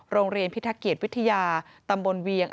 โรงเรียนพิทธเกียจวิทยาตำบลเวียง